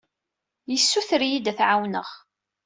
Yessuter-iyi-d ad t-ɛawneɣ.